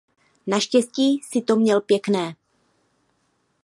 Naštěstí jsi to měl pěkné.